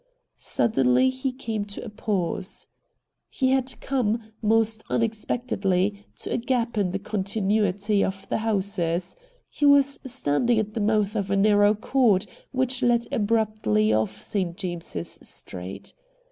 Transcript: Suddenly he came to a pause. He had come, most unexpectedly, to a gap in the continuity of the houses ; he was standing at the mouth of a narrow court which led abruptly off St. James's Street.